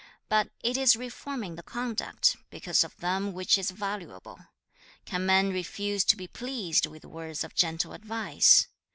But it is reforming the conduct because of them which is valuable. Can men refuse to be pleased with words of gentle advice?